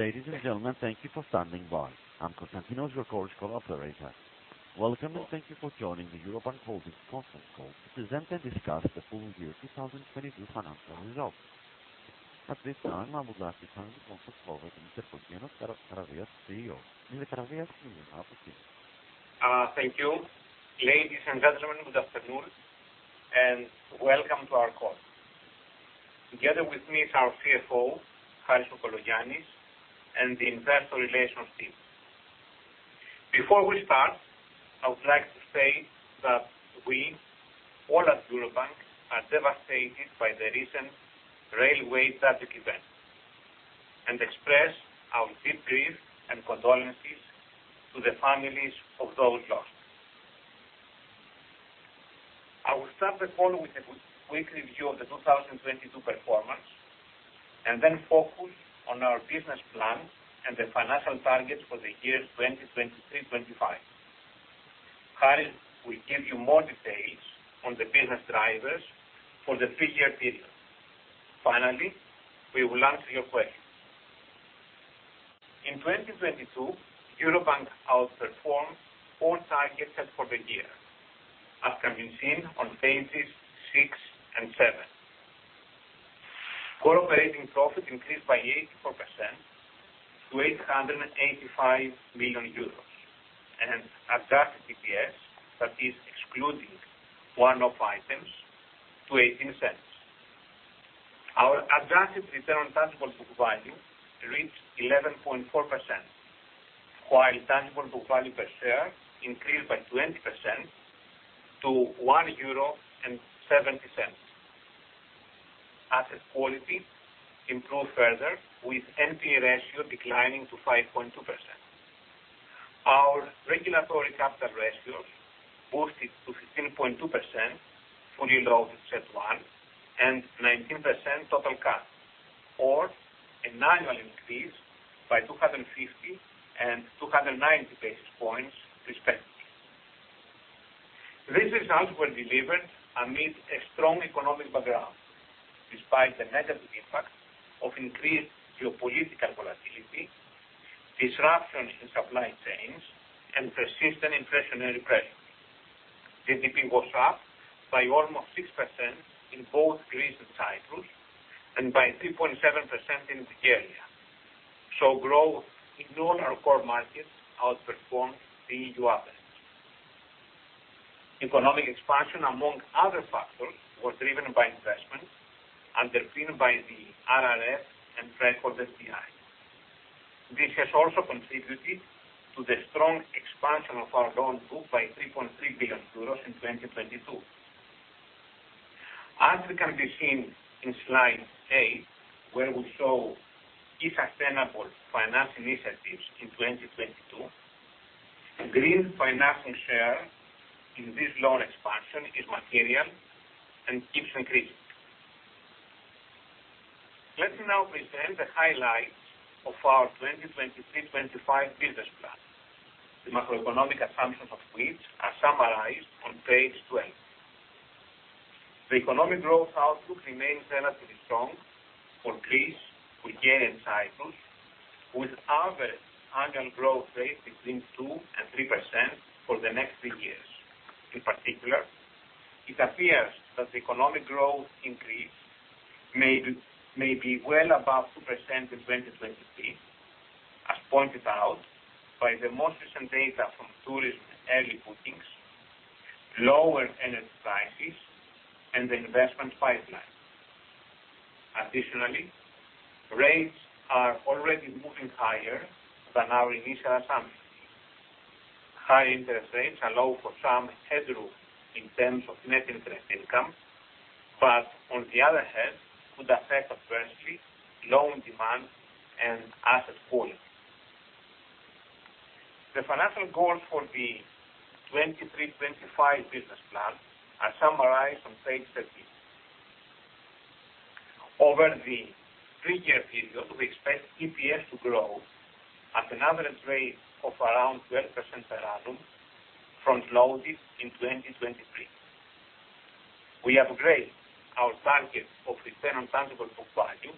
Ladies and gentlemen, thank you for standing by. I'm Constantinos, your cordial operator. Welcome and thank you for joining the Eurobank Holdings conference call to present and discuss the full year 2022 financial results. At this time, I would like to turn the conference over to the Fokion Karavias, CEO. Mr. Karavias, you now have the floor. Thank you. Ladies and gentlemen, good afternoon and welcome to our call. Together with me is our CFO, Harris Kokologiannis, and the investor relations team. Before we start, I would like to say that we all at Eurobank are devastated by the recent railway tragic event, and express our deep grief and condolences to the families of those lost. I will start the call with a quick review of the 2022 performance, and then focus on our business plan and the financial targets for the years 2023, 2025. Harris will give you more details on the business drivers for the three-year period. Finally, we will answer your questions. In 2022, Eurobank outperformed all targets set for the year, as can be seen on pages six and seven. Core operating profit increased by 84% to 885 million euros, and adjusted EPS, that is excluding one-off items, to 0.18. Our adjusted return on tangible book doValue reached 11.4%, while tangible book doValue per share increased by 20% to EUR 1.70. Asset quality improved further with NPA ratio declining to 5.2%. Our regulatory capital ratios boosted to 15.2%, fully loaded CET1, and 19% total cap, or an annual increase by 250 basis points and 290 basis points respectively. These results were delivered amid a strong economic background, despite the negative impact of increased geopolitical volatility, disruptions in supply chains and persistent inflationary pressures. GDP was up by almost 6% in both Greece and Cyprus, and by 2.7% in the area. Growth in all our core markets outperformed the EU average. Economic expansion, among other factors, was driven by investments underpinned by the RRF and record FPI. This has also contributed to the strong expansion of our loan book by 3.3 billion euros in 2022. As it can be seen in slide eight, where we show E sustainable finance initiatives in 2022, green financing share in this loan expansion is material and keeps increasing. Let me now present the highlights of our 2023-2025 business plan. The macroeconomic assumptions of which are summarized on page 12. The economic growth outlook remains relatively strong for Greece, for gain in Cyprus, with average annual growth rate between 2% and 3% for the next three years. In particular, it appears that economic growth increase may be well above 2% in 2023, as pointed out by the most recent data from tourism early bookings, lower energy prices and the investment pipeline. Additionally, rates are already moving higher than our initial assumptions. High interest rates allow for some headroom in terms of net interest income, but on the other hand, could affect adversely loan demand and asset quality. The financial goals for the 2023-2025 business plan are summarized on page 13. Over the three-year period, we expect EPS to grow at an average rate of around 12% per annum, front-loaded in 2023. We upgrade our target of return on tangible book doValue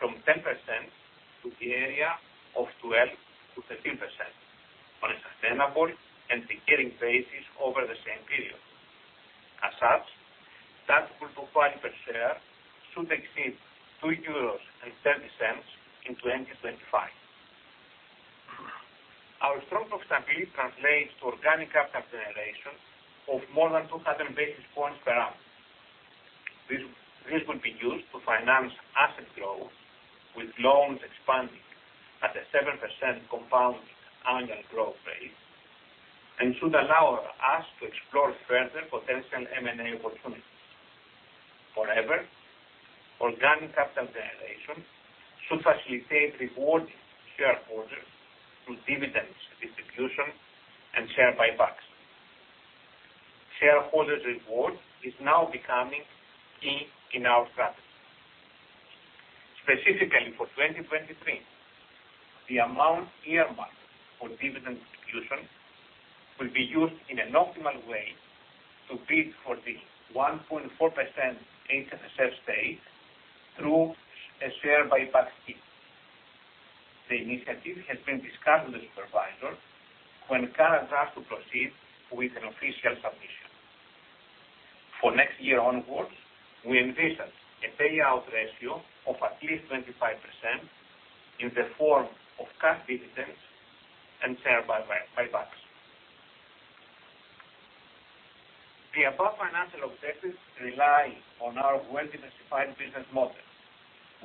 from 10% to the area of 12%-13% on a sustainable and recurring basis over the same period. As such, tangible book doValue per share should exceed 2.30 euros in 2025. Our strong stability translates to organic capital generation of more than 200 basis points per annum. This will be used to finance asset growth, with loans expanding at a 7% compound annual growth rate, and should allow us to explore further potential M&A opportunities. Organic capital generation should facilitate reward shareholders through dividends distribution and share buybacks. Shareholders reward is now becoming key in our strategy. Specifically for 2023, the amount earmarked for dividend distribution will be used in an optimal way to bid for the 1.4% HFSF stake through a share buyback scheme. The initiative has been discussed with the supervisor when current draft to proceed with an official submission. For next year onwards, we envision a payout ratio of at least 25% in the form of cash dividends and share buyback. The above financial objectives rely on our well-diversified business model,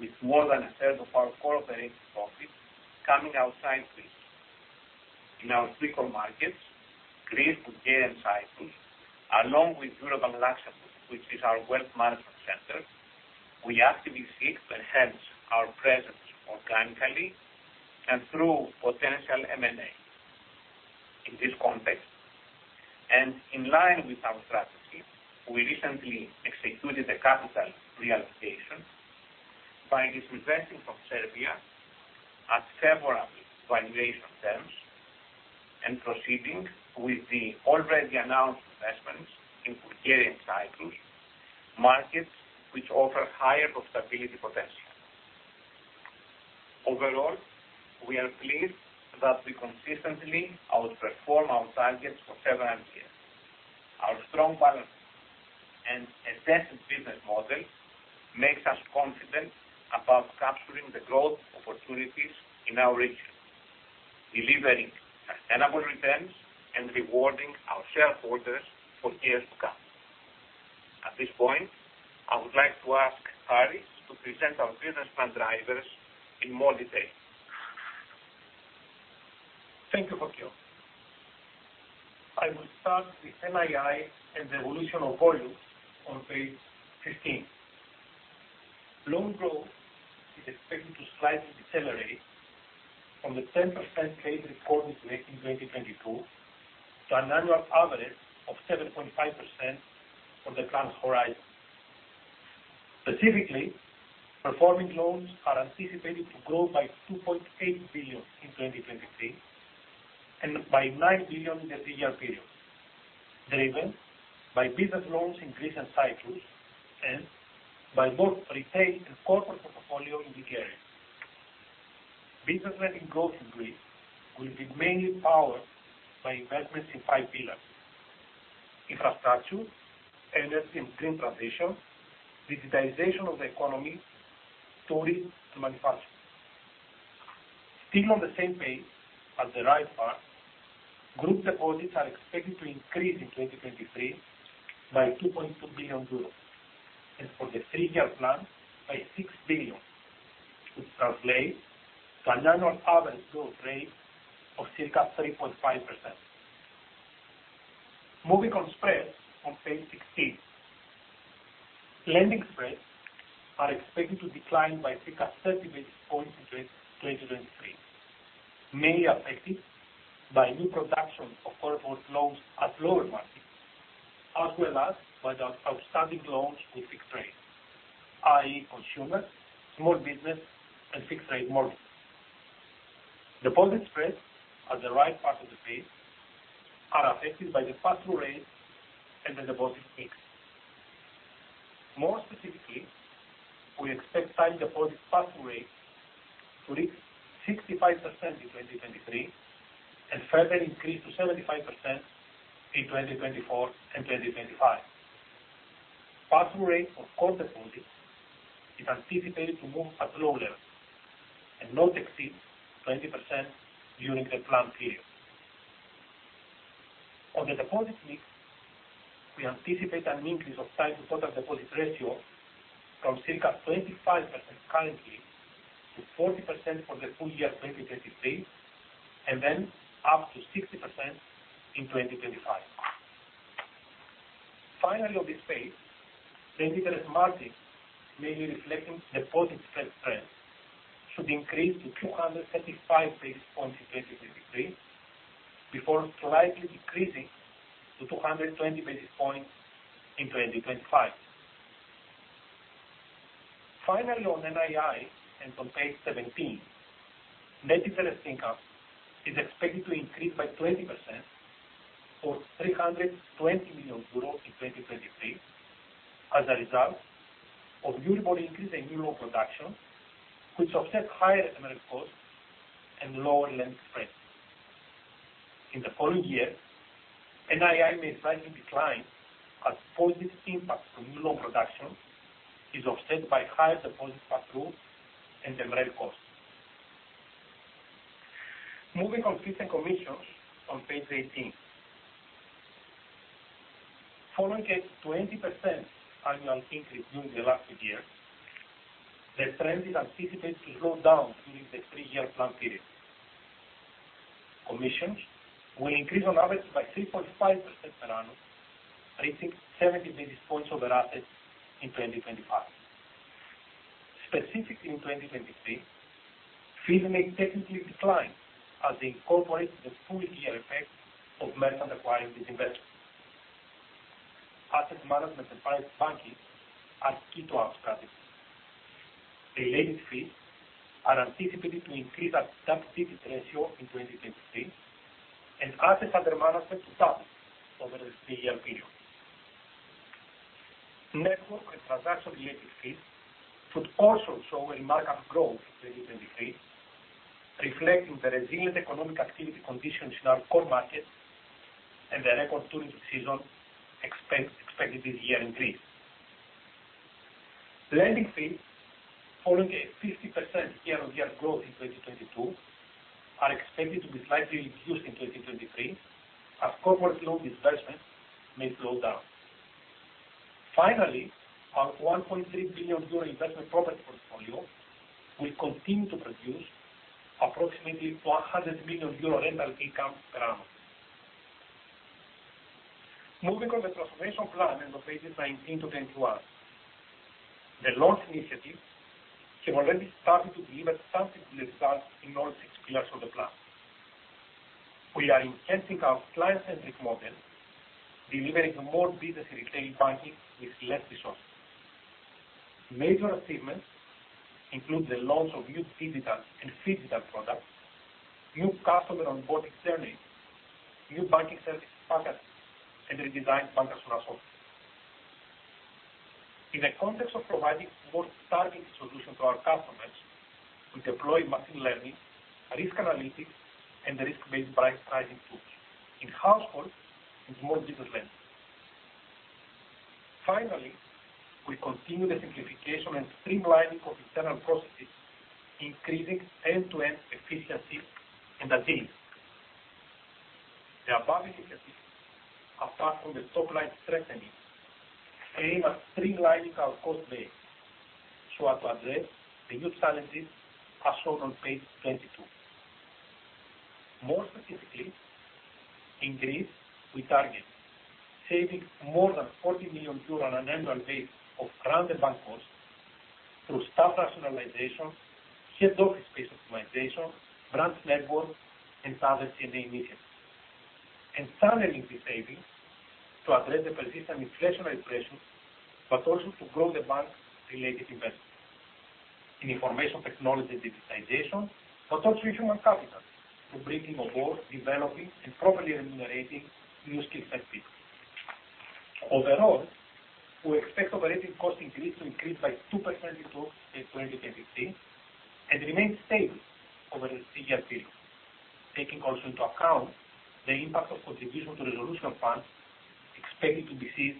with more than a third of our core operating profits coming outside Greece. In our three core markets, Greece, Bulgaria, and Cyprus, along with Luxembourg, which is our wealth management center, we actively seek to enhance our presence organically and through potential M&A. In this context, and in line with our strategy, we recently executed a capital reallocation by disinvesting from Serbia at favorable valuation terms and proceeding with the already announced investments in Bulgaria and Cyprus markets which offer higher profitability potential. Overall, we are pleased that we consistently outperform our targets for seven years. Our strong balance sheet and a decent business model makes us confident about capturing the growth opportunities in our region, delivering sustainable returns, and rewarding our shareholders for years to come. At this point, I would like to ask Harry to present our business plan drivers in more detail. Thank you, Fokion. I will start with NII and the evolution of volumes on page 15. Loan growth is expected to slightly decelerate from the 10% pace recorded in 2022 to an annual average of 7.5% for the plan's horizon. Specifically, performing loans are anticipated to grow by 2.8 billion in 2023 and by 9 billion in the three-year period, driven by business loans in Greece and Cyprus and by both retail and corporate portfolio in Bulgaria. Business lending growth in Greece will be mainly powered by investments in five pillars: infrastructure, energy and green transition, digitalization of the economy, tourism, and manufacturing. Still on the same page at the right part, group deposits are expected to increase in 2023 by 2.2 billion euros, and for the three-year plan by 6 billion, which translates to an annual average growth rate of circa 3.5%. Moving on spreads on page 16. Lending spreads are expected to decline by circa 30 basis points in 2023, mainly affected by new production of corporate loans at lower margins, as well as by the outstanding loans with fixed rates, i.e., consumer, small business, and fixed rate mortgages. Deposit spreads at the right part of the page are affected by the pass-through rate and the deposit mix. More specifically, we expect time deposit pass-through rate to reach 65% in 2023 and further increase to 75% in 2024 and 2025. Pass-through rate of core deposits is anticipated to move at low levels and not exceed 20% during the plan period. On the deposit mix, we anticipate an increase of time to total deposit ratio from circa 25% currently to 40% for the full year 2023, and then up to 60% in 2025. Finally, on this page, net interest margin, mainly reflecting deposit spread trends, should increase to 235 basis points in 2023, before slightly decreasing to 220 basis points in 2025. Finally, on NII and on page 17, net interest income is expected to increase by 20% or 320 million euros in 2023 as a result of Eurobank increase and new loan production, which offset higher estimated costs and lower lending spreads. In the following year, NII may slightly decline as positive impact from new loan production is offset by higher deposit pass-through and the lower costs. Moving on fees and commissions on page 18. Following a 20% annual increase during the last year, the trend is anticipated to slow down during the three-year plan period. Commissions will increase on average by 3.5% per annum, reaching 70 basis points over assets in 2025. Specifically, in 2023, fees may technically decline as they incorporate the full year effect of merchant acquiring disinvestments. Asset management and private banking are key to our strategy. Related fees are anticipated to increase at double-digit ratio in 2023, and assets under management to double over the three-year period. Network and transaction related fees should also show a markup growth in 2023, reflecting the resilient economic activity conditions in our core markets and the record tourism season expected this year increase. Lending fees, following a 50% year-on-year growth in 2022, are expected to be slightly reduced in 2023 as corporate loan disbursements may slow down. Finally, our 1.3 billion euro investment property portfolio will continue to produce approximately 100 million euro rental income per annum. Moving on the transformation plan and on page 19 to 21. The launch initiatives have already started to deliver tangible results in all six pillars of the plan. We are enhancing our client-centric model, delivering more business in retail banking with less resources. Major achievements include the launch of new digital and phygital products, new customer onboarding journey, new banking services packages, and redesigned Backbase software. In the context of providing more targeted solution to our customers, we deploy machine learning, risk analytics, and risk-based pricing tools in household and small business lending. Finally, we continue the simplification and streamlining of internal processes, increasing end-to-end efficiency and agility. The above initiatives, apart from the top line strategies, aim at streamlining our cost base so as to address the new challenges as shown on page 22. More specifically, in Greece, we target saving more than 40 million euros on an annual base of grounded bank costs through staff rationalization, head office space optimization, branch network, and other CNA initiatives. Channeling this saving to address the persistent inflationary pressures, but also to grow the bank related investments. In information technology digitization, but also human capital, to bringing on board, developing and properly remunerating new skilled tech people. Overall, we expect operating costs increase to increase by 2% in 2023 and remain stable over the three-year period, taking also into account the impact of contribution to resolution funds expected to be seized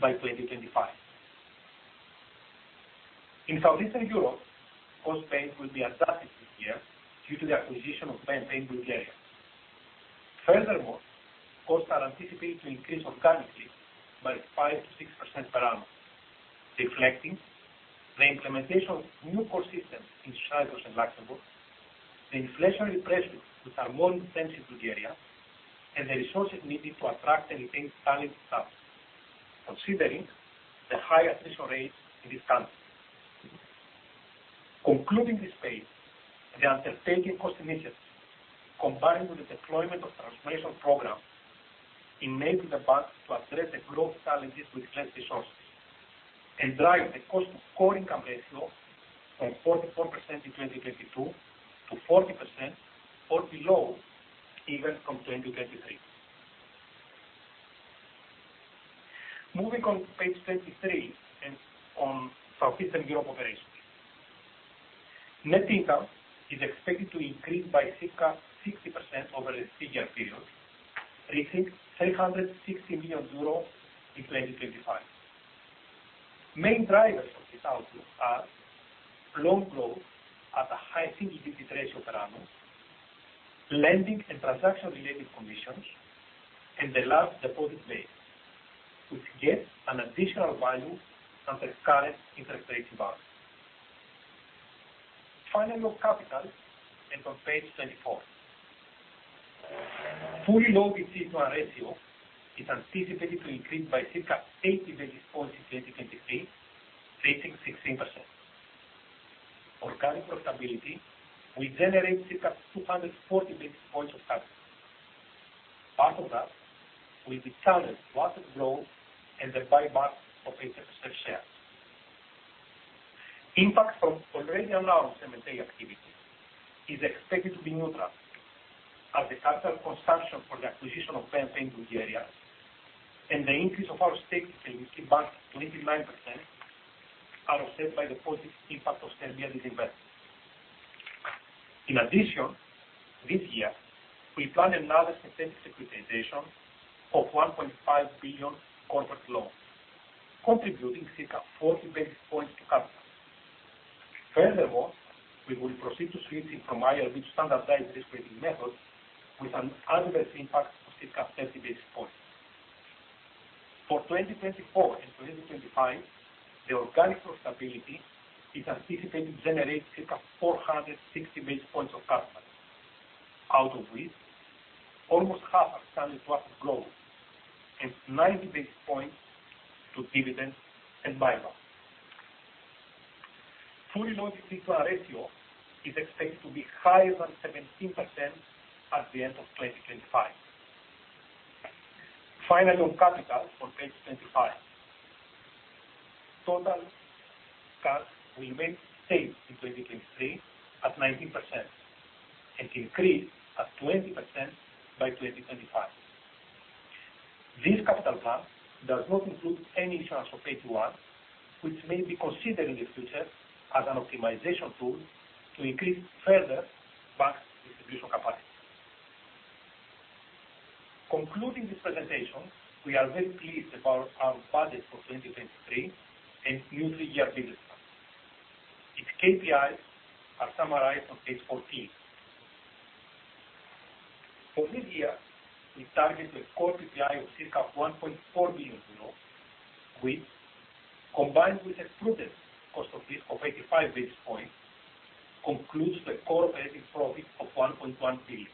by 2025. In Southeastern Europe, cost base will be affected this year due to the acquisition of BNP Paribas Personal Finance Bulgaria. Furthermore, costs are anticipated to increase organically by 5%-6% per annum, reflecting the implementation of new core systems in Cyprus and Kosovo, the inflationary pressures which are more intensive to the area, and the resources needed to attract and retain talent staff, considering the high attrition rate in these countries. Concluding this phase, the undertaking cost initiatives combined with the deployment of transformation programs, enabling the bank to address the growth challenges with less resources and drive the cost to core income ratio from 44% in 2022 to 40% or below even from 2023. Moving on to page 23 and on Southeastern Europe operations. Net income is expected to increase by circa 60% over the three-year period, reaching 360 million euros in 2025. Main drivers of this outlook are loan growth at a high single-digit ratio per annum, lending and transaction related commissions, and the large deposit base, which gets an additional value under current interest rate environment. On capital and on page 24. Fully loaded CET1 ratio is anticipated to increase by circa 80 basis points in 2023, reaching 16%. Organic profitability will generate circa 240 basis points of capital. Part of that will be channeled to asset growth and the buyback of HFSF shares. Impact from already announced M&A activities is expected to be neutral as the capital consumption for the acquisition of BNP in Bulgaria and the increase of our stake in Hellenic Bank to 29% are offset by the positive impact of 10-year reinvestment. In addition, this year, we plan another synthetic securitization of 1.5 billion corporate loans, contributing circa 40 basis points to capital. Furthermore, we will proceed to switching from IRB standardized risk weighting method with an adverse impact of circa 30 basis points. For 2024 and 2025, the organic profitability is anticipated to generate circa 460 basis points of capital. Out of which almost half are channeled to asset growth and 90 basis points to dividends and buyback. Fully loaded CET1 ratio is expected to be higher than 17% at the end of 2025. Finally, on capital on page 25. Total capital will remain safe in 2023 at 19% and increase at 20% by 2025. This capital plan does not include any issuance of AT1, which may be considered in the future as an optimization tool to increase further bank distribution capacity. Concluding this presentation, we are very pleased about our budget for 2023 and new three-year business plan. Its KPIs are summarized on page 14. For this year, we target a core PPI of circa 1.4 billion euros, which combined with a prudent cost of base of 85 basis points, concludes the core earning profit of 1.1 billion.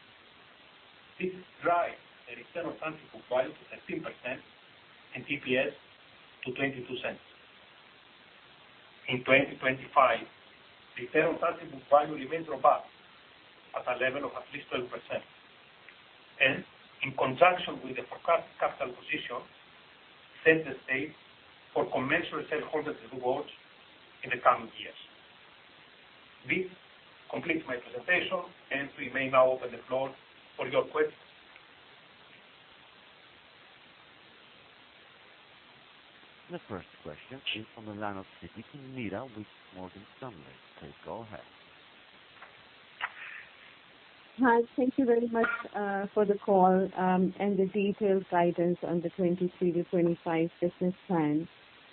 This drives the return on tangible value to 13% and PPS to 0.22. In 2025, return on tangible value remains robust at a level of at least 12% and in conjunction with the forecast capital position, set the stage for conventional shareholders rewards in the coming years. This completes my presentation. We may now open the floor for your questions. The first question is from the line of [Kim Mira] with Morgan Stanley. Please go ahead. Hi, thank you very much for the call and the detailed guidance on the 2023-2025 business plan.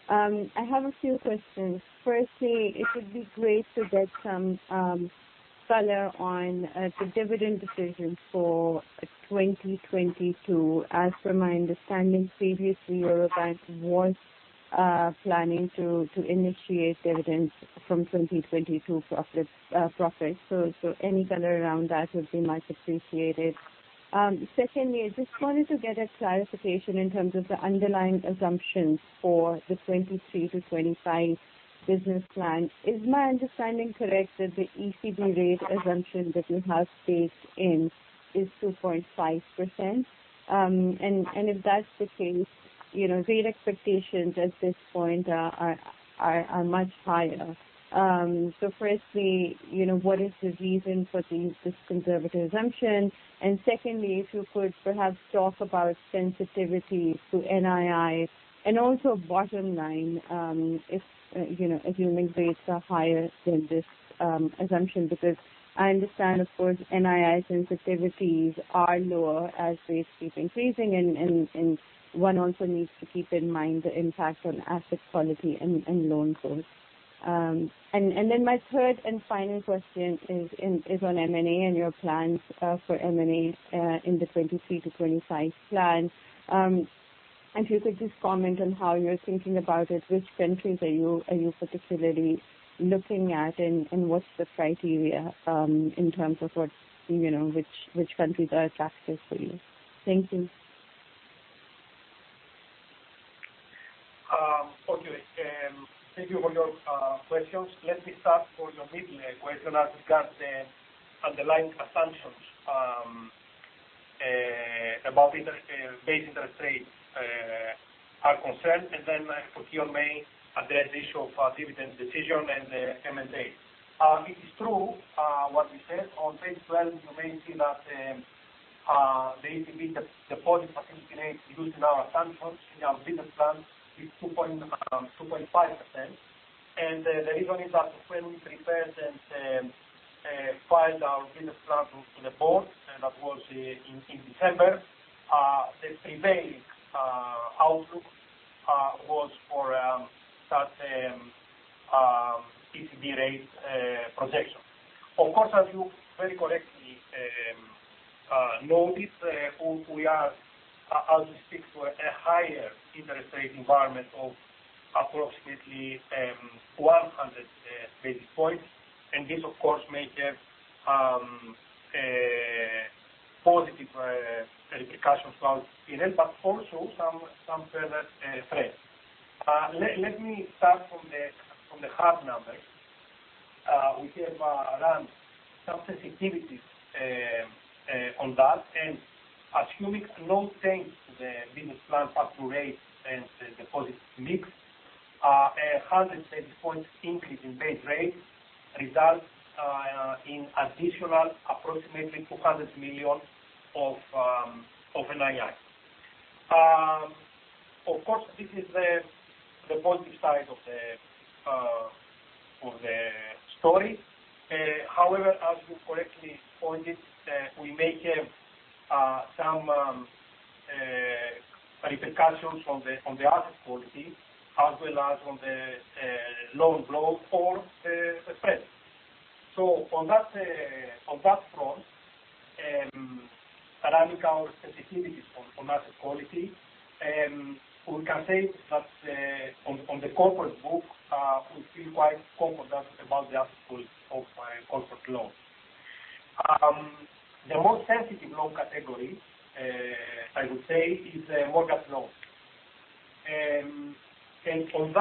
I have a few questions. Firstly, it would be great to get some color on the dividend decision for 2022. As per my understanding, previously, Eurobank was planning to initiate dividends from 2022 profits. Any color around that would be much appreciated. Secondly, I just wanted to get a clarification in terms of the underlying assumptions for the 2023-2025 business plan. Is my understanding correct that the ECB rate assumption that you have staked in is 2.5%? And if that's the case, you know, rate expectations at this point are much higher. Firstly, you know, what is the reason for this conservative assumption? Secondly, if you could perhaps talk about sensitivity to NII and also bottom line, if, you know, assuming rates are higher than this assumption, because I understand, of course, NII sensitivities are lower as rates keep increasing and one also needs to keep in mind the impact on asset quality and loan growth. Then my third and final question is on M&A and your plans for M&A in the 2023-2025 plan. If you could just comment on how you're thinking about it, which countries are you particularly looking at and what's the criteria in terms of what, you know, which countries are attractive for you? Thank you. Okay. Thank you for your questions. Let me start for your mid question as regards the underlying assumptions about inter- base interest rates are concerned, then Fokion may address the issue of dividend decision and M&A. It is true what you said. On page 12, you may see that the ECB deposit facility used in our assumptions in our business plan is 2.5%. The reason is that when we prepared and filed our business plan to the board, and that was in December, the prevailing outlook was for that ECB rate projection. Of course, as you very correctly noticed, we are anticipating for a higher interest rate environment of approximately 100 basis points. This of course may have positive repercussions to our P&L, but also some further threats. Let me start from the hard numbers. We have run some sensitivities on that. Assuming no change to the business plan factor rate and the deposit mix, a 100 basis points increase in base rate results in additional approximately 200 million of NII. Of course, this is the positive side of the story. However, as you correctly pointed, we may have some repercussions on the asset quality as well as on the loan growth or the spread. On that front, running our sensitivities on asset quality, we can say that on the corporate book, we feel quite comfortable about the asset quality of our corporate loans. The more sensitive loan category, I would say is mortgage loans. On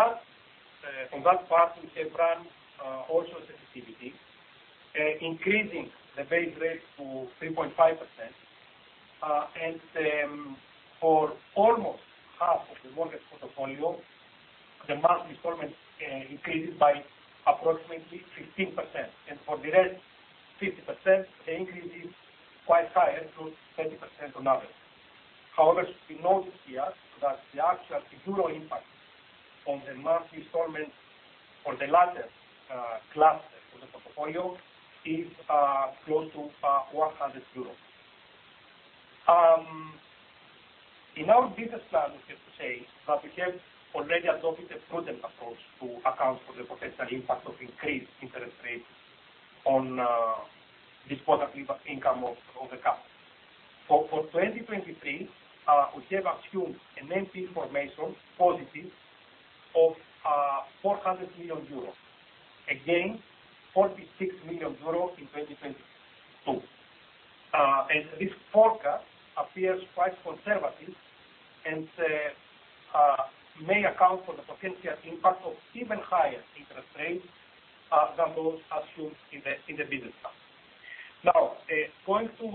that part, we have run also sensitivity, increasing the base rate to 3.5%. For almost half of the mortgage portfolio, the monthly instalment increases by approximately 15%. And for the rest 50%, the increase is quite higher to 30% on average. However, we note here that the actual euro impact on the monthly instalment for the latter, cluster of the portfolio is close to 100 euros. In our business plan, we have to say that we have already adopted a prudent approach to account for the potential impact of increased interest rates on this positive income of the capital. For 2023, we have assumed an NPE formation positive of 400 million euros. Again, 46 million euros in 2022. This forecast appears quite conservative and may account for the potential impact of even higher interest rates than those assumed in the business plan. Going to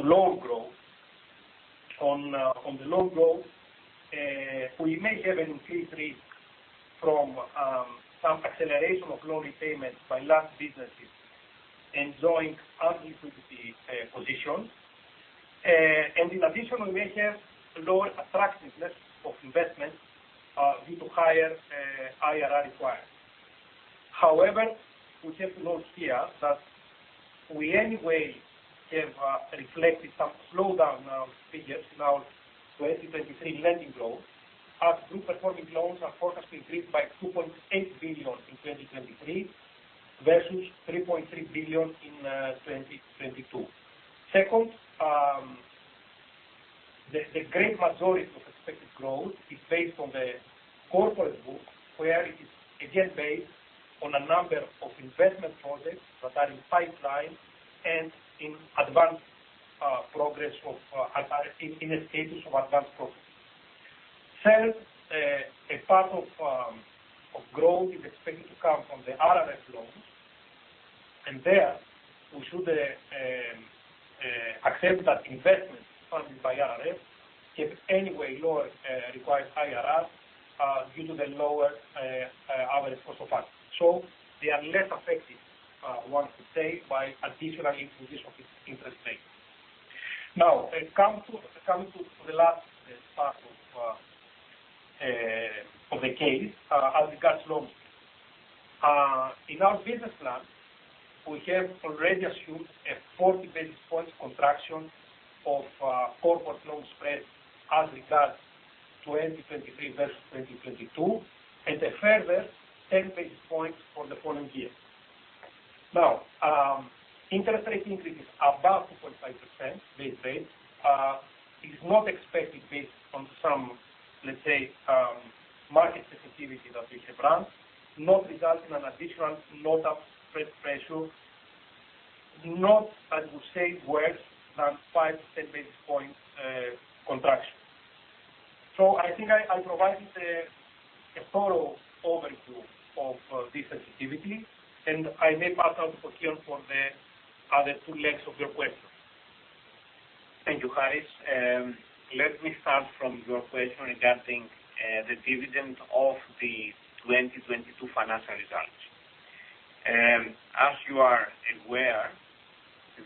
loan growth. On the loan growth, we may have an increased risk from some acceleration of loan repayments by large businesses enjoying high liquidity positions. In addition, we may have lower attractiveness of investments due to higher IRR requirements. However, we have to note here that we anyway have reflected some slowdown figures in our 2023 lending growth as group performing loans are forecast to increase by 2.8 billion in 2023 versus 3.3 billion in 2022. Second, the great majority of expected growth is based on the corporate book, where it is again based on a number of investment projects that are in pipeline and in advanced progress of in a status of advanced progress. Third, a part of growth is expected to come from the RRF loans, there we should accept that investments funded by RRF have anyway lower required IRRs due to the lower average cost of funds. They are less affected, one could say, by additional increase of in-interest rates. Coming to the last part of the case, as regards loans. In our business plan, we have already assumed a 40 basis points contraction of corporate loan spread as regards 2023 versus 2022, a further 10 basis points for the following years. Interest rate increases above 2.5% base rate is not expected based on some, let's say, market sensitivity that we have run, not result in an additional notable spread pressure, not, I would say, worse than 5 basis points-10 basis points contraction. I think I provided a thorough overview of this sensitivity, and I may pass on to Fokion for the other two legs of your question. Thank you, Harris. Let me start from your question regarding the dividend of the 2022 financial results. As you are aware,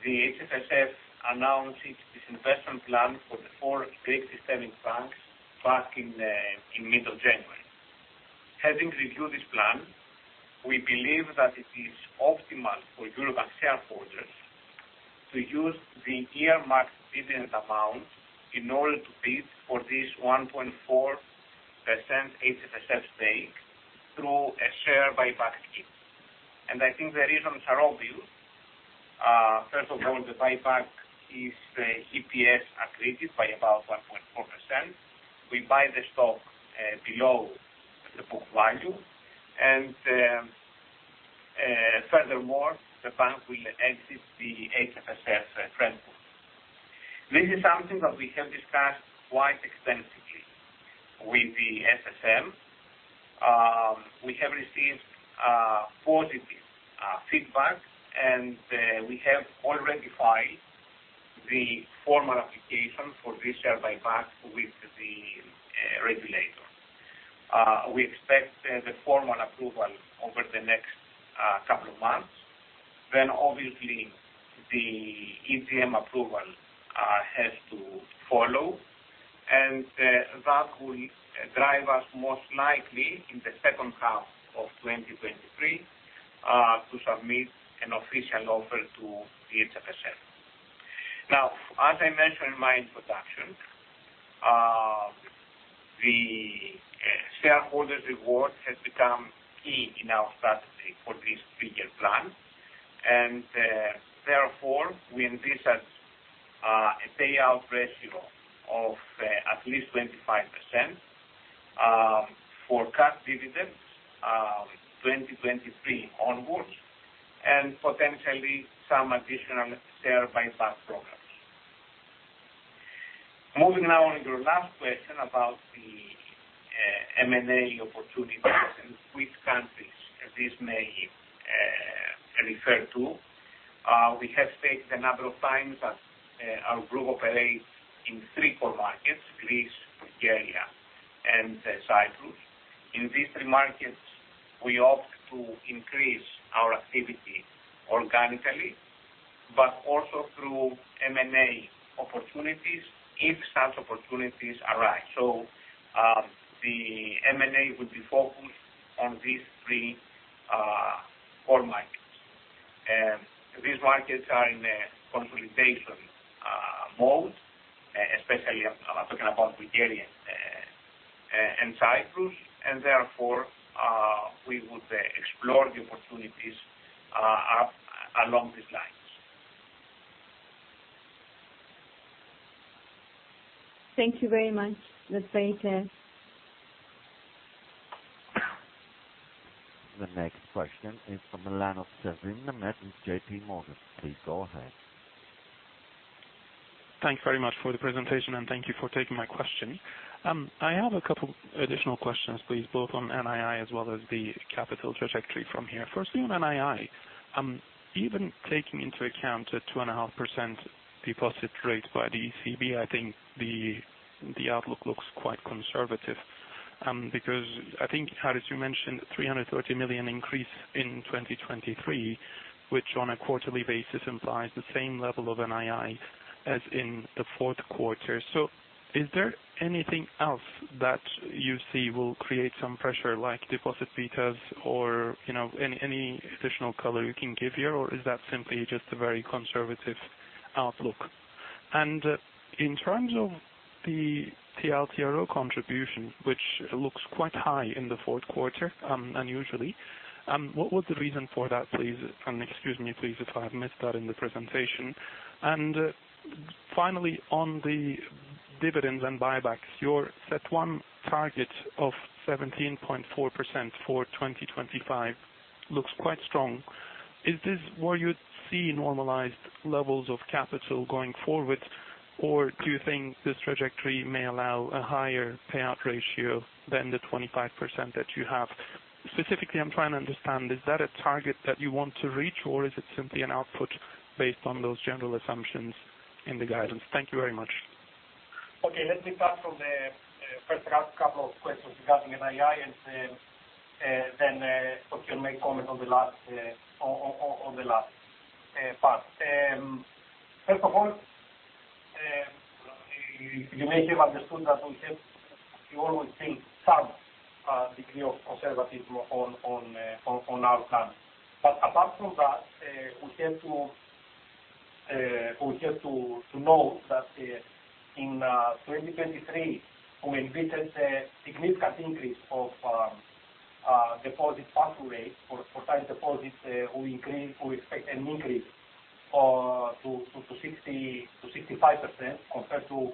the HFSF announced its disinvestment plan for the four Greek systemic banks back in middle January. Having reviewed this plan, we believe that it is optimal for Eurobank shareholders to use the earmarked dividend amount in order to bid for this 1.4% HFSF stake through a share buyback scheme. I think the reasons are obvious. First of all, the buyback is EPS accretive by about 1.4%. We buy the stock below the book doValue. Furthermore, the bank will exit the HFSF trend pool. This is something that we have discussed quite extensively with the SSM. We have received positive feedback, we have already filed the formal application for this share buyback with the regulator. We expect the formal approval over the next couple of months. Obviously the ECM approval has to follow, that will drive us most likely in the second half of 2023 to submit an official offer to the HFSF. As I mentioned in my introduction, the shareholders reward has become key in our strategy for this three-year plan. Therefore, we envisage a payout ratio of at least 25%. For cut dividends, 2023 onwards and potentially some additional share buyback programs. Moving now on your last question about the M&A opportunities and which countries this may refer to. We have stated a number of times that our group operates in three core markets, Greece, Bulgaria, and Cyprus. In these three markets, we opt to increase our activity organically, but also through M&A opportunities if such opportunities arise. The M&A would be focused on these three core markets. These markets are in a consolidation mode, especially I'm talking about Bulgaria and Cyprus, and therefore, we would explore the opportunities along these lines. Thank you very much. That's very clear. The next question is from the line of Mehmet Sevim with J.P. Morgan. Please go ahead. Thank you very much for the presentation. Thank you for taking my question. I have a couple additional questions, please, both on NII as well as the capital trajectory from here. First thing on NII, even taking into account a 2.5% deposit rate by the ECB, I think the outlook looks quite conservative, because I think, Charis, you mentioned 330 million increase in 2023, which on a quarterly basis implies the same level of NII as in the fourth quarter. Is there anything else that you see will create some pressure like deposit betas or, you know, any additional color you can give here, or is that simply just a very conservative outlook? In terms of the TLTRO contribution, which looks quite high in the fourth quarter, unusually, what was the reason for that, please? Excuse me, please, if I have missed that in the presentation. Finally, on the dividends and buybacks, your set one target of 17.4% for 2025 looks quite strong. Is this where you see normalized levels of capital going forward, or do you think this trajectory may allow a higher payout ratio than the 25% that you have? Specifically, I'm trying to understand, is that a target that you want to reach, or is it simply an output based on those general assumptions in the guidance? Thank you very much. Okay, let me start from the first couple of questions regarding NII and then Fokion make comment on the last part. First of all, you may have understood that we always take some degree of conservatism on our plans. Apart from that, we have to note that in 2023, we envisage a significant increase of deposit pass rates for time deposits, we expect an increase to 60%-65% compared to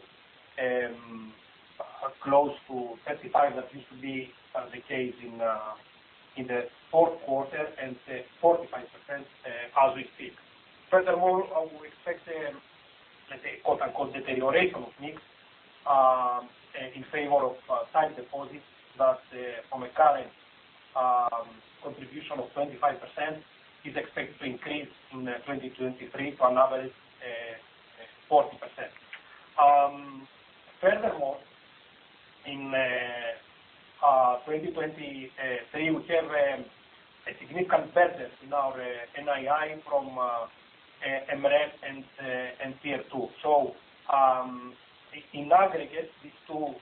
close to 35% that used to be the case in the fourth quarter and 45% as we speak. Furthermore, we expect a, let's say, quote-unquote, "deterioration of mix", in favor of time deposits that, from a current contribution of 25% is expected to increase in 2023 to another 40%. Furthermore, in 2023, we have a significant presence in our NII from MNS and TLTRO II. In aggregate, these two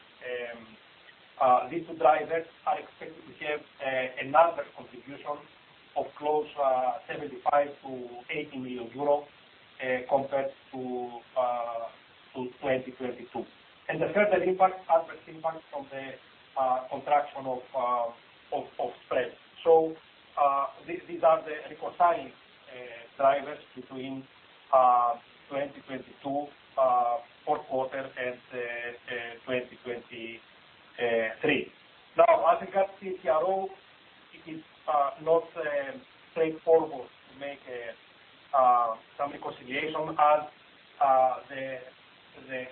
drivers are expected to have another contribution of close 75 million-80 million euro compared to 2022. The further impact, adverse impact from the contraction of spread. These are the reconciling drivers between 2022 fourth quarter and 2023. As regards the TLTRO, it is not straightforward to make some reconciliation as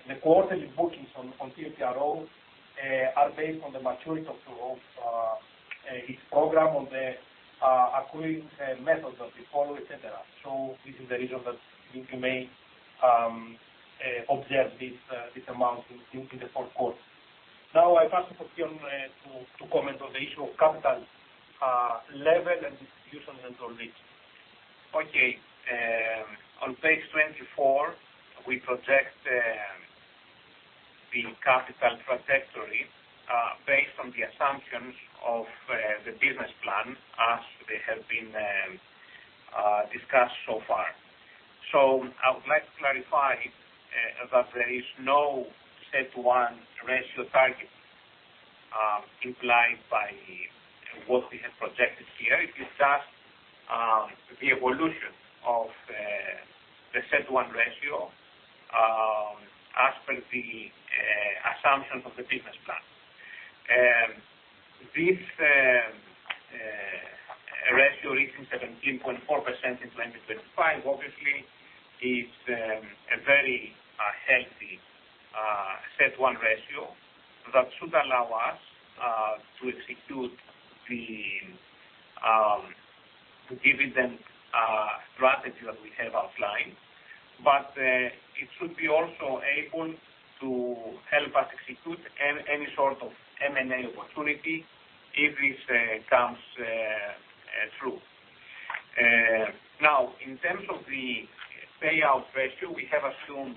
the quarterly bookings on TLTRO are based on the maturity of the, of each program, on the accruing methods that we follow, etc. This is the reason that you may observe this amount in the fourth quarter. I pass to Fokion to comment on the issue of capital level and distribution and so on. Okay. On page 24, we project the capital trajectory based on the assumptions of the business plan as they have been discussed so far. I would like to clarify that there is no CET1 ratio target implied by what we have projected here. It is just the evolution of the CET1 ratio as per the assumptions of the business plan. This ratio reaching 17.4% in 2025, obviously is a very healthy CET1 ratio that should allow us to execute the dividend strategy that we have outlined. It should be also able to help us execute any sort of M&A opportunity if this comes through. Now in terms of the payout ratio, we have assumed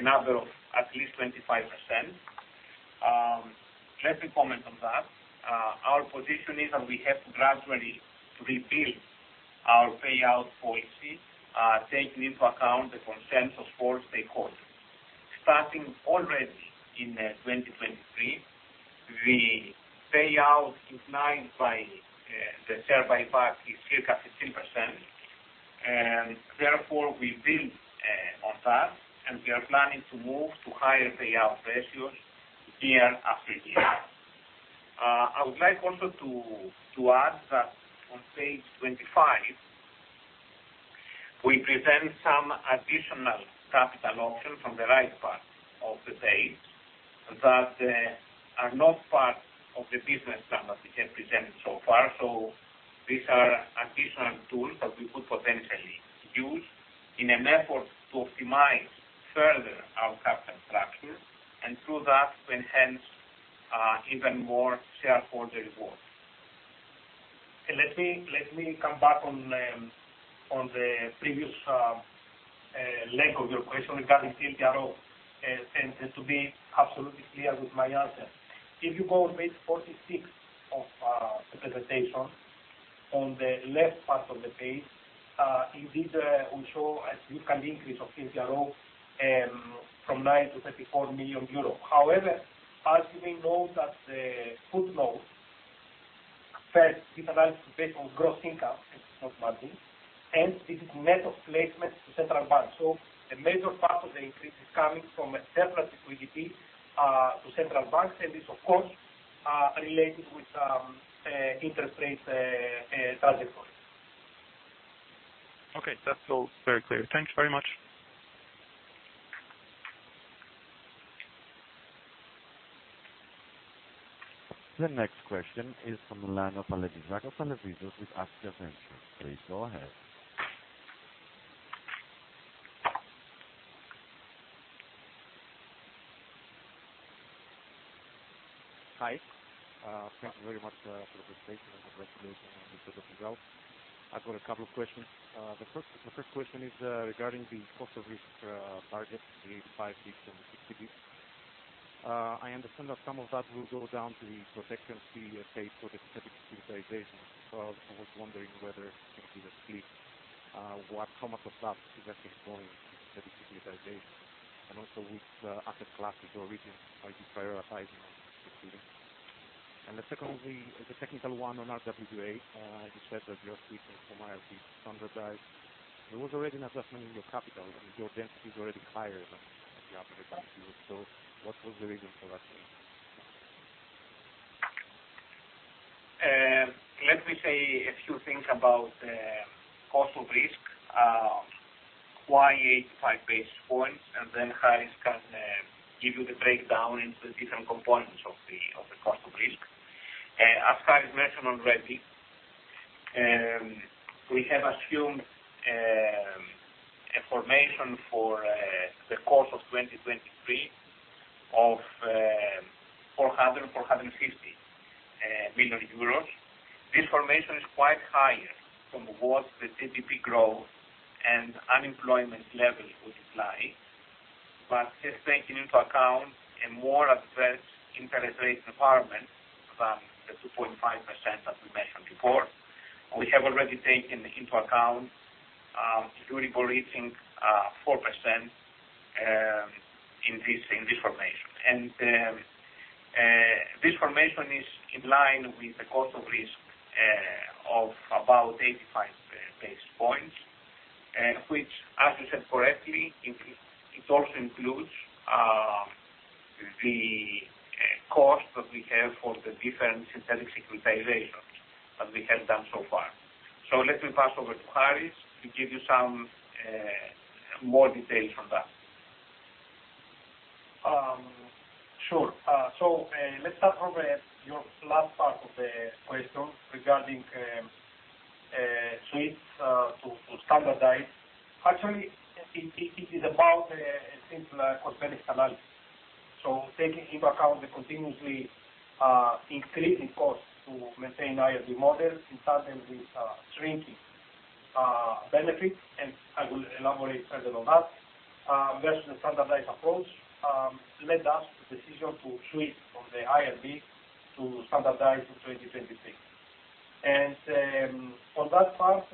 another at least 25%. Let me comment on that. Our position is that we have to gradually rebuild our payout policy, taking into account the concerns of stakeholders. Starting already in 2023, the payout, if not by the share buyback, is circa 15%. Therefore we build on that, and we are planning to move to higher payout ratios year-after-year. I would like also to add that on page 25, we present some additional capital options on the right part of the page that are not part of the business plan that we have presented so far. These are additional tools that we could potentially use in an effort to optimize further our capital structure and through that enhance even more shareholder rewards. Let me come back on the previous leg of your question regarding TLTRO. To be absolutely clear with my answer, if you go on page 46 of the presentation on the left part of the page, it did will show a significant increase of TLTRO from 9 million-34 million euros. As you may note that the footnotes, first, this analysis is based on gross income and not margin, and this is net of placements to central banks. A major part of the increase is coming from separate liquidity to central banks, and this of course, related with interest rate target points. Okay. That's all very clear. Thanks very much. The next question is from the line of Alexander Kantarovich with [Roemer Capital]. Please go ahead. Hi, thank you very much for the presentation and congratulations on the results. I've got a couple of questions. The first question is regarding the cost of risk target, the 85 basis points and 60 basis points. I understand that some of that will go down to the protection fee paid for the specific securitizations. I was wondering whether you could explain what, how much of that is actually going to the specific securitizations, and also which asset classes or regions are you prioritizing on those specifics? The second one, the technical one on RWA, you said that you are switching from IRB to standardized. There was already an adjustment in your capital. Your density is already higher than the other banks use. What was the reason for that change? Let me say a few things about cost of risk, why 85 basis points, Harry can give you the breakdown into the different components of the cost of risk. As Harry mentioned already, we have assumed a formation for the course of 2023 of 400 million-450 million euros. This formation is quite higher from what the GDP growth and unemployment levels would imply. Just taking into account a more aggressive interest rate environment, the 2.5% as we mentioned before, we have already taken into account during policing 4% in this formation. This formation is in line with the cost of risk of about 85 basis points, which as you said correctly, it also includes the cost that we have for the different synthetic securitizations that we have done so far. Let me pass over to Harry to give you some more details on that. Sure. Let's start from your last part of the question regarding switch to standardize. Actually, it is about a simple cosmetic analysis. Taking into account the continuously increasing costs to maintain IRB models, in tandem with shrinking benefits, and I will elaborate further on that, versus the standardized approach, led us to the decision to switch from the IRB to standardized for 2023. On that part,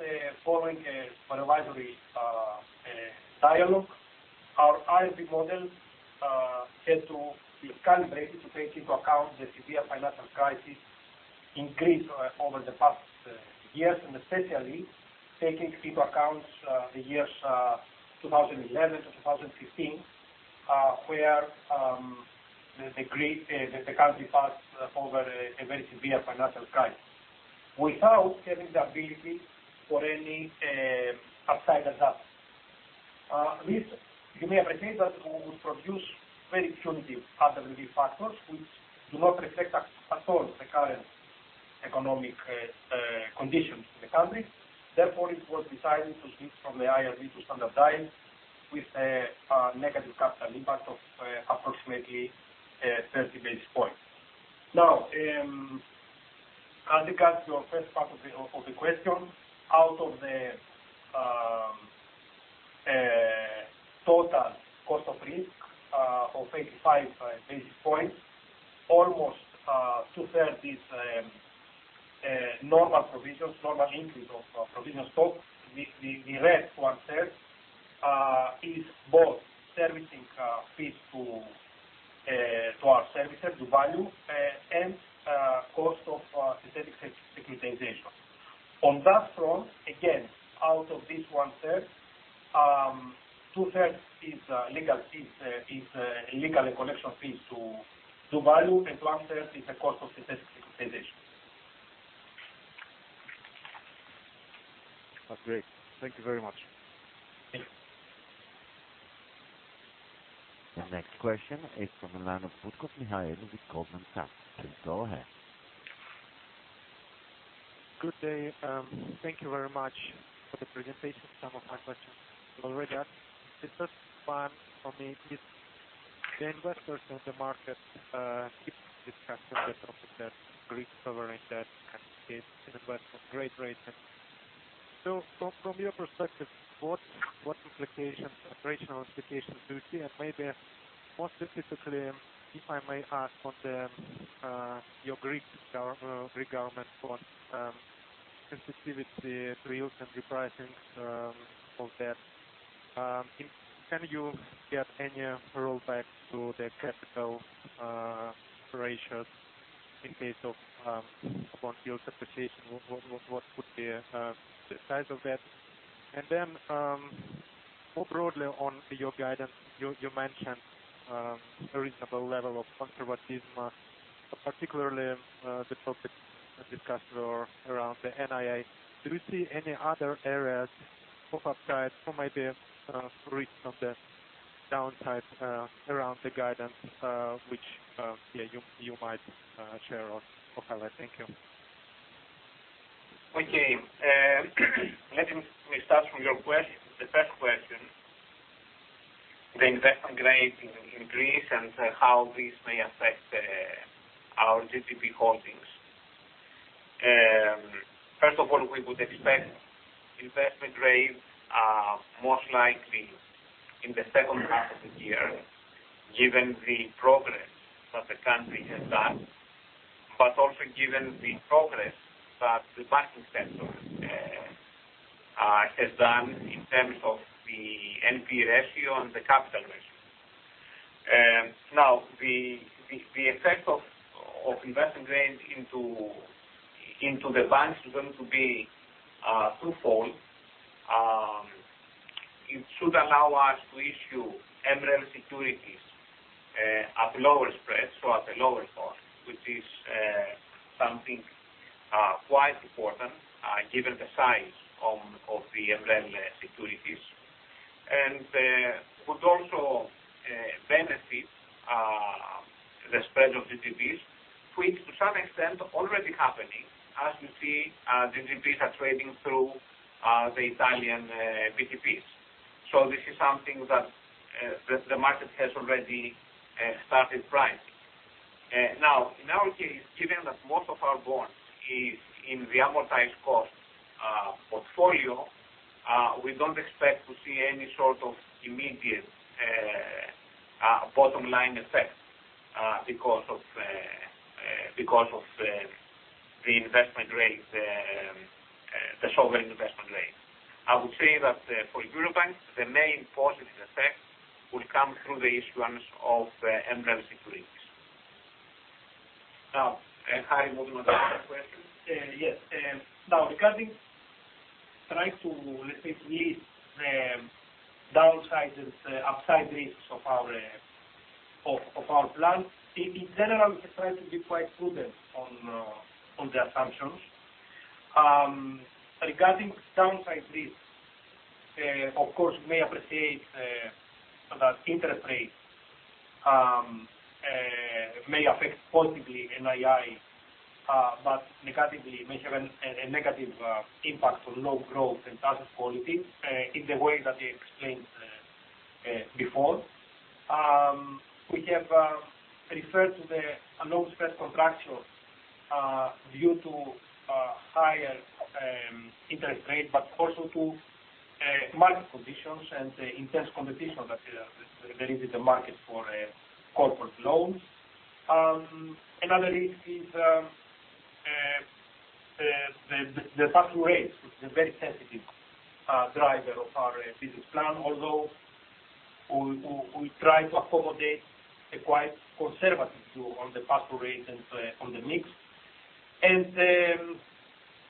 following a supervisory dialogue, our IRB model had to be calibrated to take into account the severe financial crisis in Greece over the past years, and especially taking into account the years 2011 to 2015, where the country passed over a very severe financial crisis without having the ability for any upside adjust. This, you may appreciate that we would produce very punitive RWA factors which do not reflect at all the current economic conditions in the country. Therefore, it was decided to switch from the IRB to standard times with a negative capital impact of approximately 30 basis points. As regards to your first part of the question, out of the total cost of risk of 85 basis points, almost 2/3 is normal provisions, normal increase of provision stock. The rest, 1/3, is both servicing fees to our services, to doValue, and cost of specific securitization. On that front, again, out of this 1/3, 2/3 is legal fees, is legal and collection fees to doValue, and 1/3 is the cost of specific securitization. That's great. Thank you very much. Thank you. The next question is from the line of Butkov Mikhail with Goldman Sachs. Please go ahead. Good day. Thank you very much for the presentation. Some of my questions have already asked. The first one for me is the investors in the market, keep discussing the topic that Greece covering that kind of case, investment grade rating. From your perspective, what implications, operational implications do you see? Maybe more specifically, if I may ask on the your Greek gov, Greek government bond sensitivity to yields and repricing of that, can you get any roll back to the capital ratios in case of upon yields appreciation? What would be the size of that? More broadly on your guidance, you mentioned a reasonable level of conservatism, particularly the topics discussed or around the NII. Do you see any other areas of upside or maybe, risk on the downside, around the guidance, which, you might, share on for highlight? Thank you. Let me start from your question, the first question. Investment grade in Greece and how this may affect our GGB holdings. We would expect investment grade most likely in the second half of the year, given the progress that the country has done, but also given the progress that the banking sector has done in terms of the NPE ratio and the capital ratio. The effect of investment grade into the banks is going to be twofold. It should allow us to issue MREL securities at lower spreads or at a lower cost, which is something quite important given the size of the MREL securities. Would also benefit the spread of GGBs, which to some extent already happening as you see, GGBs are trading through the Italian BTPs. This is something that the market has already started pricing. In our case, given that most of our bonds is in the amortised cost portfolio, we don't expect to see any sort of immediate bottom line effect because of the investment grade, the sovereign investment grade. I would say that for Eurobank, the main positive effect will come through the issuance of MREL securities. Harry, moving on to the other question. Yes. Regarding try to, let's say, to list the downsides and upside risks of our plan. In general, I try to be quite prudent on the assumptions. Regarding downside risks, of course, you may appreciate that interest rates may affect positively NII, but negatively may have a negative impact on low growth and asset quality in the way that I explained before. We have referred to the loan spread contraction due to higher interest rates, but also to market conditions and the intense competition that there is in the market for corporate loans. The pass-through rates is a very sensitive driver of our business plan, although we try to accommodate a quite conservative view on the pass-through rate and on the mix.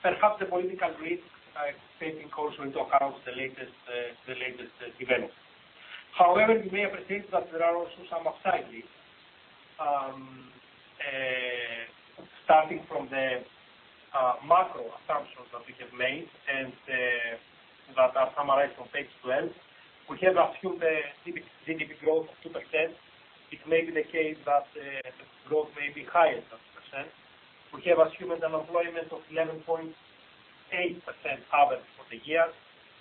Perhaps the political risks are taking also into account the latest events. However, you may have perceived that there are also some upsides risks, starting from the macro assumptions that we have made and that are summarized on page 12. We have assumed the GDP growth of 2%. It may be the case that growth may be higher than 2%. We have assumed unemployment of 11.8% average for the year.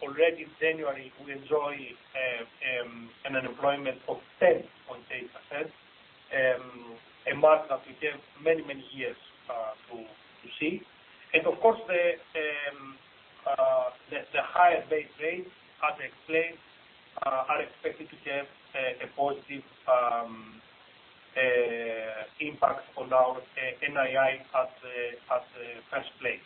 Already January, we enjoy an unemployment of 10.8%, a mark that we have many, many years to see. Of course, the higher base rates, as explained, are expected to have a positive impact on our NII at the first place.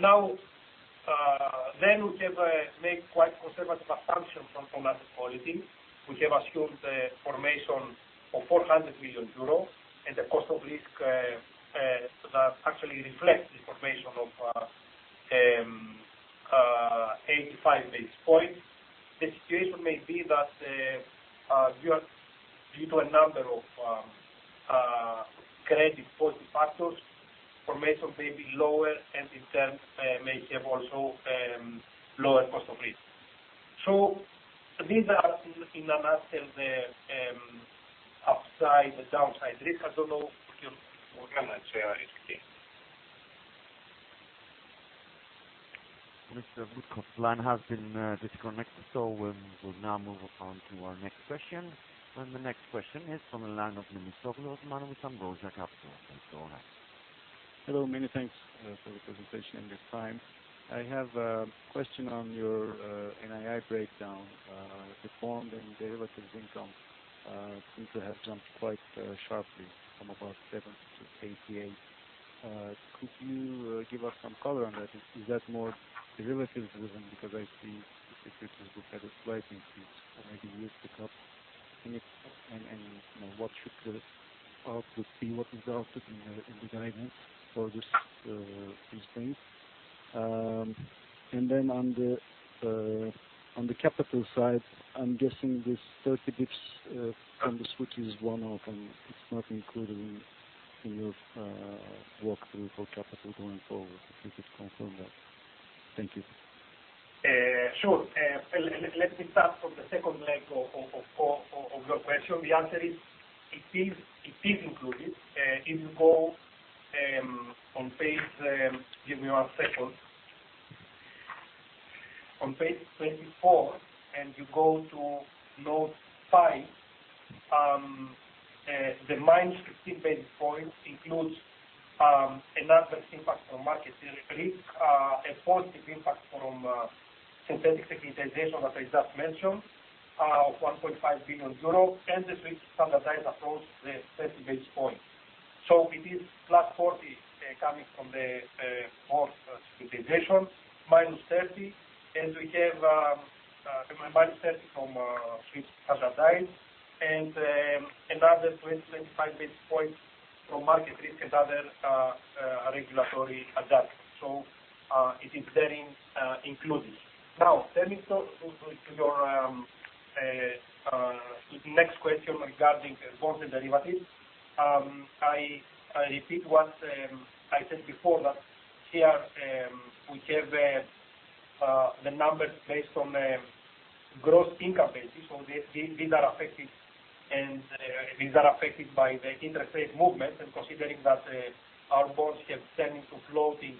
Now, we have made quite conservative assumptions on asset quality. We have assumed the formation of 400 million euro and the cost of risk that actually reflects the formation of 85 basis points. The situation may be that, due to a number of credit positive factors, formation may be lower, and in turn may have also lower cost of risk. These are in a nutshell the upside, the downside risk. I don't know if you want to share anything. Mr. Butkov's line has been disconnected, we'll now move on to our next question. The next question is from the line of Memisoglu Osman with Ambrosia Capital. Please go ahead. Hello. Many thanks for the presentation and your time. I have a question on your NII breakdown. The bond and derivatives income seems to have jumped quite sharply from about 7-88. Could you give us some color on that? Is that more derivatives driven? I see the securities book had a slight increase or maybe year pick up in it. You know, what should out to see what resulted in the guidance for this these things? On the capital side, I'm guessing this 30 basis points on the switch is one-off, and it's not included in your walkthrough for capital going forward. If you could confirm that. Thank you. Sure. Let me start from the second leg of your question. The answer is it is included. If you go on page, give me one second. On page 24, you go to note five, the -15 basis points includes an adverse impact from market risk, a positive impact from synthetic securitization, as I just mentioned, of 1.5 billion euro, and the Swiss standardized approach, the 30 basis points. It is +40 coming from the bond securitization, -30, we have -30 from Swiss standardized, another 20-25 basis points from market risk and other regulatory adjustments. It is therein included. Now, let me turn to your next question regarding bonds and derivatives. I repeat what I said before, that here, we have the numbers based on gross income basis. These are affected and these are affected by the interest rate movement. Considering that our bonds have turned into floating,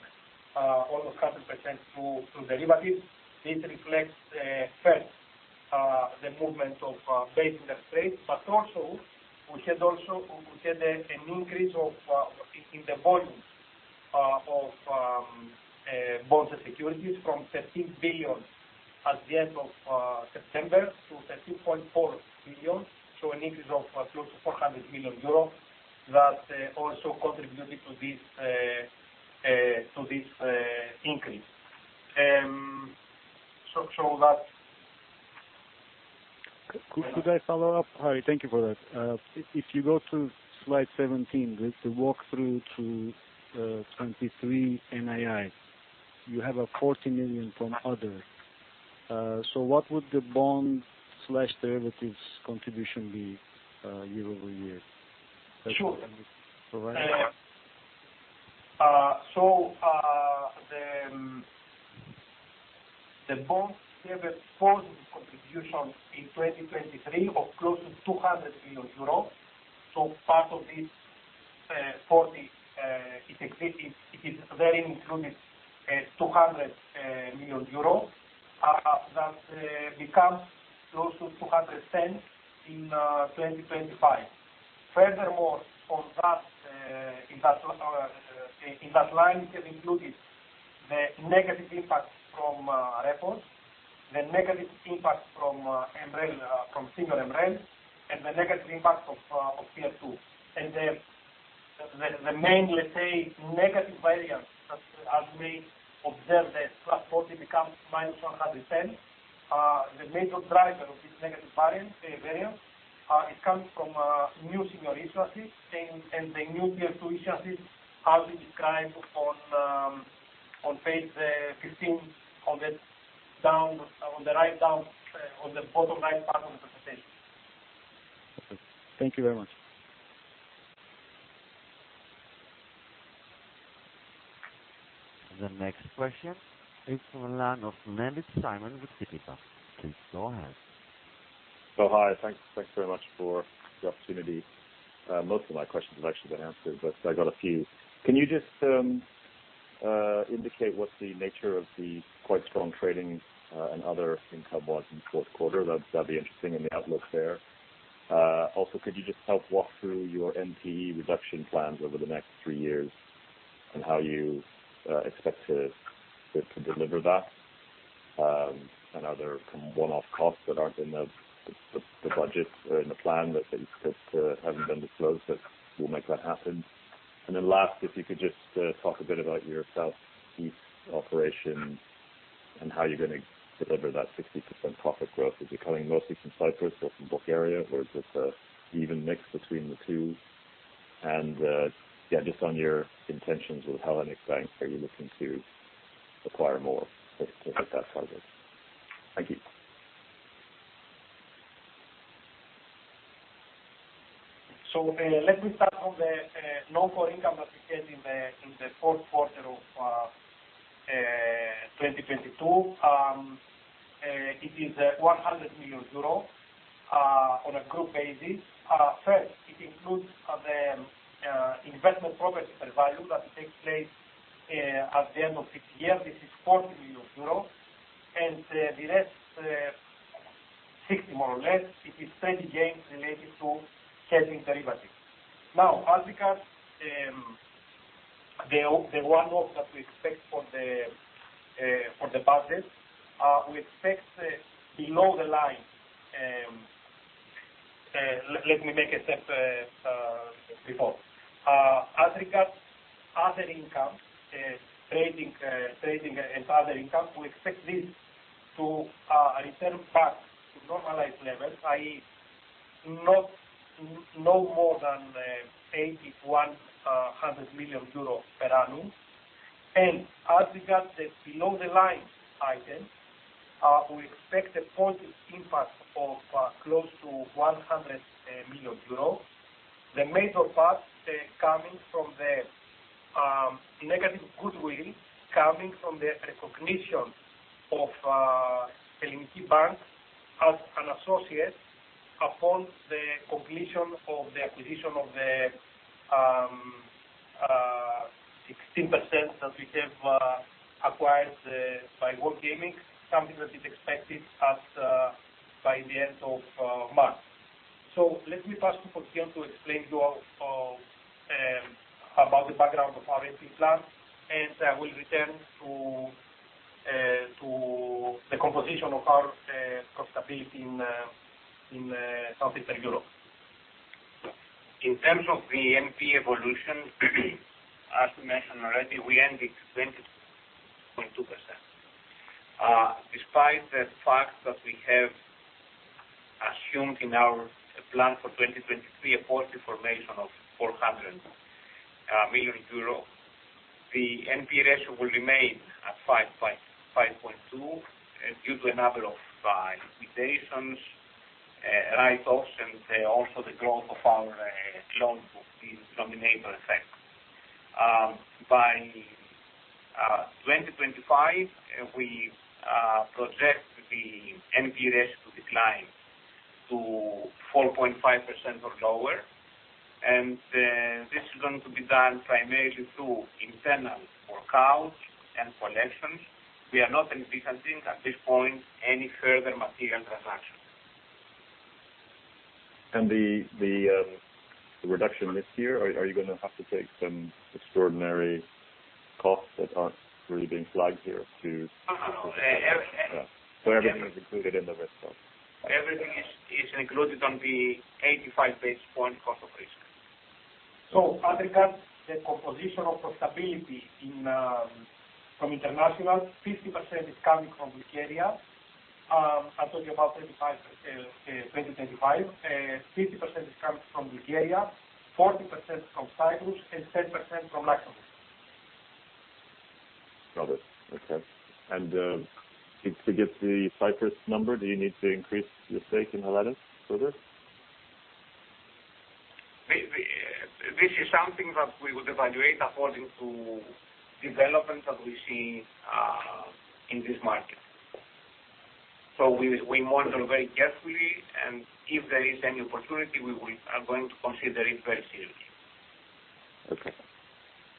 almost 100% to derivatives, this reflects first the movement of base interest rates, but also we had an increase in the volume of bonds and securities from 13 billion at the end of September to 13.4 billion. An increase of close to 400 million euro that also contributed to this increase. Could I follow up, Harry? Thank you for that. If you go to slide 17, the walk through to 2023 NII, you have 40 million from other. What would the bond slash derivatives contribution be year-over-year? Sure. Is that what you can provide? The bonds have a positive contribution in 2023 of close to 200 million euros. Part of this, 40 is therein included, 200 million EUR that becomes close to 210 in 2025. Furthermore, on that, in that line, we have included. The negative impact from REPO, the negative impact from MREL, from senior MREL, and the negative impact of Tier 2. The main, let's say, negative variance that, as we observe the +40 becomes -100%, the major driver of this negative variance, it comes from new senior issuances and the new Tier 2 issuances as we described on page 15 on the bottom right part of the presentation. Okay. Thank you very much. The next question is from the line of Nellis Simon with Citi. Please go ahead. Hi. Thanks very much for the opportunity. Most of my questions have actually been answered, I got a few. Can you just indicate what's the nature of the quite strong trading and other income was in the fourth quarter? That'd be interesting in the outlook there. Also, could you just help walk through your NPE reduction plans over the next three years and how you expect to deliver that? Are there some one-off costs that aren't in the budget or in the plan that just haven't been disclosed that will make that happen? Last, if you could just talk a bit about your Southeast operations and how you're gonna deliver that 60% profit growth. Is it coming mostly from Cyprus or from Bulgaria, or is this an even mix between the two? Yeah, just on your intentions with Hellenic Bank, are you looking to acquire more as a task holder? Thank you. Let me start on the non-core income that we had in the fourth quarter of 2022. It is 100 million euros on a group basis. First, it includes the investment property fair doValue that takes place at the end of each year. This is 40 million euros. The rest, 60 more or less, it is trading gains related to hedging derivatives. As regards the one-off that we expect for the budget, we expect below the line... Let me make a step before. As regards other income, trading and other income, we expect this to return back to normalized levels, i.e., not more than 8,100 million euro per annum. As regards the below the line items, we expect a positive impact of close to 100 million euros. The major part coming from the negative goodwill coming from the recognition of Hellenic Bank as an associate upon the completion of the acquisition of the 16% that we have acquired by Wargaming, something that is expected by the end of March. Let me pass to Fokion to explain to you all about the background of our NPE plan, and I will return to the composition of our profitability in Southeastern Europe. In terms of the NPE evolution, as we mentioned already, we ended 20.2%. Despite the fact that we have assumed in our plan for 2023 a positive formation of 400 million euro, the NPE ratio will remain at 5.2% due to a number of liquidations, write-offs, and also the growth of our loan book is dominating effect. By 2025, we project the NPE ratio to decline to 4.5% or lower. This is going to be done primarily through internal workouts and collections. We are not anticipating at this point any further material transactions. The reduction this year, are you gonna have to take some extraordinary costs that aren't really being flagged here? No, no. Everything is included in the risk cost? Everything is included on the 85 basis points cost of risk. As regards the composition of profitability in, from international, 50% is coming from Bulgaria. I told you about 35, 2025. 50% is coming from Bulgaria, 40% from Cyprus, and 10% from Luxembourg. Got it. Okay. To get the Cyprus number, do you need to increase your stake in Hellenic further? The, this is something that we would evaluate according to developments that we see, in this market. We monitor very carefully, and if there is any opportunity, we are going to consider it very seriously. Okay.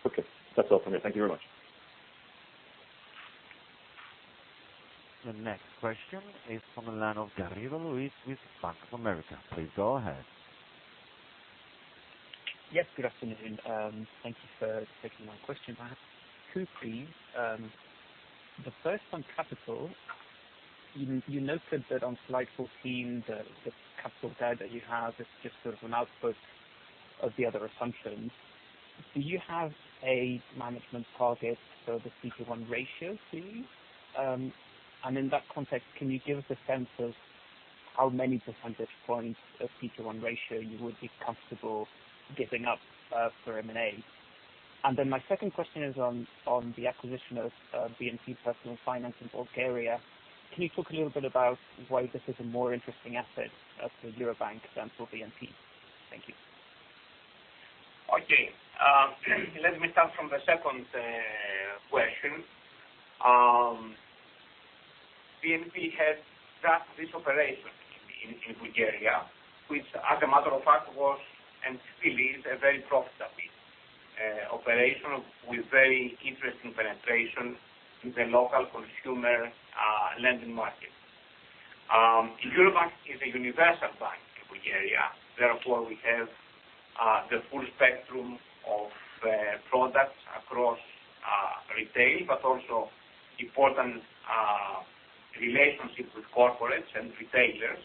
Okay. That's all from me. Thank you very much. The next question is from the line of Garrido Luis with Bank of America. Please go ahead. Yes, good afternoon. Thank you for taking my question. I have two, please. The first on capital. You noted that on slide 14, the capital guide that you have is just sort of an output of the other assumptions. Do you have a management target for the CET1 ratio, please? And in that context, can you give us a sense of how many percentage points of CET1 ratio you would be comfortable giving up for M&A? My second question is on the acquisition of BNP Paribas Personal Finance in Bulgaria. Can you talk a little bit about why this is a more interesting asset for Eurobank than for BNP? Thank you. Okay. Let me start from the second question. BNP had this operation in Bulgaria, which as a matter of fact was and still is a very profitable operation with very interesting penetration in the local consumer lending market. Eurobank is a universal bank in Bulgaria. Therefore we have the full spectrum of products across retail, but also important relationships with corporates and retailers.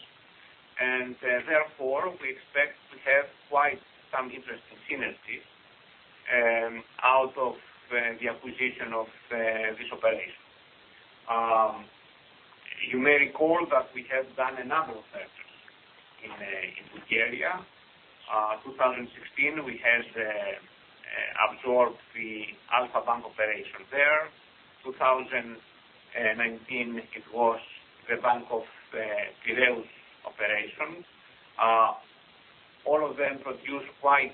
Therefore, we expect to have quite some interesting synergies out of the acquisition of Visopsis. You may recall that we have done a number of mergers in Bulgaria. 2016, we had absorbed the Alpha Bank operation there. 2019, it was the Bank of Piraeus operations. All of them produce quite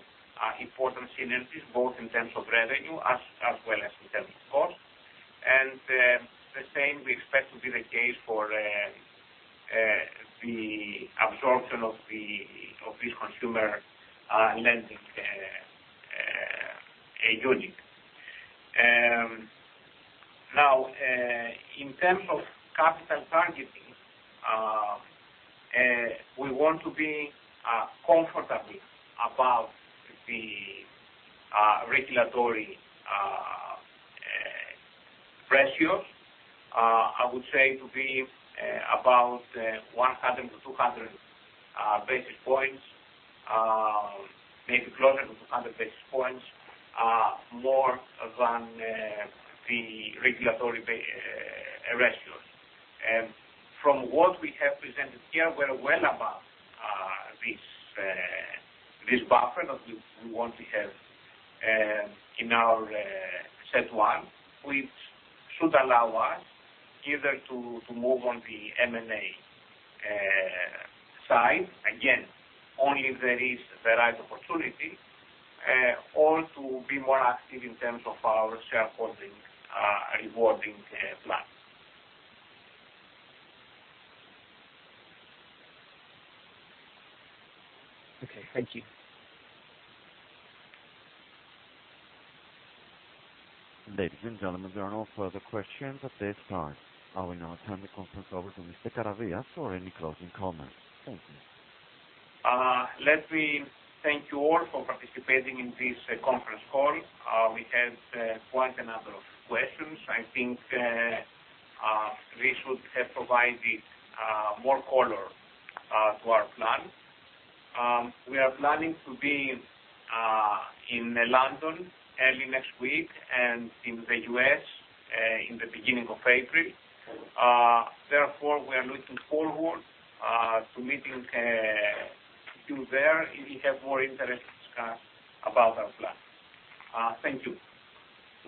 important synergies, both in terms of revenue as well as in terms of cost. The same we expect to be the case for the absorption of this consumer lending unit. Now, in terms of capital targeting, we want to be comfortably above the regulatory ratios. I would say to be about 100 to 200 basis points, maybe closer to 200 basis points, more than the regulatory ratios. From what we have presented here, we're well above this buffer that we want to have in our CET1, which should allow us either to move on the M&A side, again, only if there is the right opportunity or to be more active in terms of our shareholding rewarding plan. Okay. Thank you. Ladies and gentlemen, there are no further questions at this time. I will now turn the conference over to Mr. Karavias for any closing comments. Thank you. Let me thank you all for participating in this conference call. We had quite a number of questions. I think this should have provided more color to our plan. We are planning to be in London early next week and in the U.S. in the beginning of April. We are looking forward to meeting you there if you have more interest to discuss about our plan. Thank you.